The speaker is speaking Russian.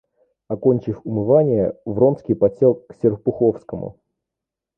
Окончив умывание, Вронский подсел к Серпуховскому.